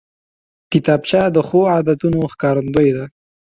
کتابچه د ښو عادتونو ښکارندوی ده